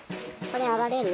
これ上がれる？